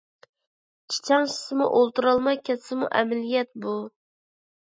چىچاڭشىسىمۇ، ئولتۇرالماي كەتسىمۇ ئەمەلىيەت بۇ.